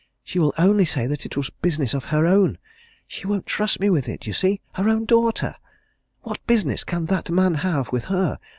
She will only say that it was business of her own. She won't trust me with it, you see! her own daughter! What business can that man have with her?